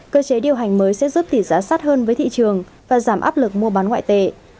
cơ chế điều hành mới sẽ giúp tỷ giá sát hơn với thị trường và giảm áp lực mua bán ngoại tệ